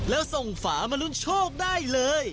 แล้วส่งฝามาลุ้นโชคได้เลย